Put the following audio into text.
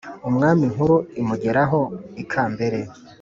umwami inkuru imugeraho ikambere